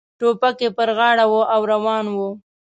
ټوپک یې پر غاړه و او روان و.